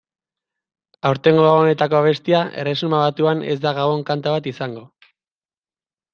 Aurtengo Gabonetako abestia Erresuma Batuan ez da gabon-kanta bat izango.